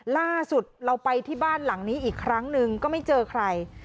ล่าสุดเราไปที่บ้านหลังนี้อีกครั้งหนึ่งก็ไม่เจอใคร